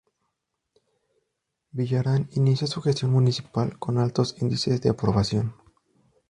Villarán inició su gestión municipal con altos índices de aprobación.